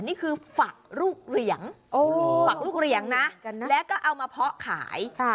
นี่คือฝักลูกเหรียงฝักลูกเหรียงนะแล้วก็เอามาเพาะขาย